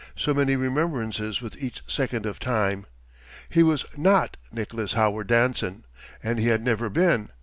So many remembrances with each second of time. He was not Nicholas Howard Danson, and he had never been!